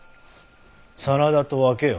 真田と分けよ。